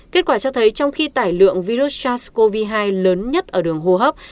kết quả cho thấy trong khi tải lượng virus sars cov hai lớn nhất ở đường hô hấp